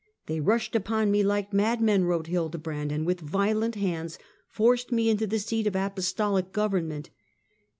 " They rushed upon me like madmen," wrote Hildebrand, " and with violent hands forced me into the seat of apostolic government."